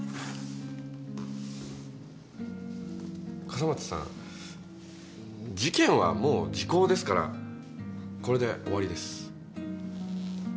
笠松さん事件はもう時効ですからこれで終わりです。